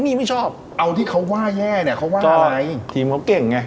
มีไม่ชอบเอาที่เขาว่าแย่เนี่ยเขาว่าอะไรทีมเขาเก่งไง